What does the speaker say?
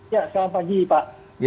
ya selamat pagi pak